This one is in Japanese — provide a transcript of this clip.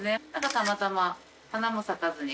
たまたま花も咲かずに。